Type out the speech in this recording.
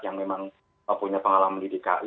yang memang punya pengalaman di dki